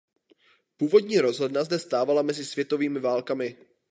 Původní rozhledna zde stávala mezi světovými válkami.